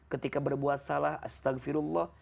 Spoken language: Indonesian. ketika berbuat salah astaghfirullah